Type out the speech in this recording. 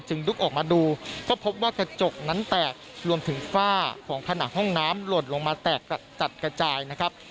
ลุกออกมาดูก็พบว่ากระจกนั้นแตกรวมถึงฝ้าของผนังห้องน้ำหล่นลงมาแตกจัดกระจายนะครับ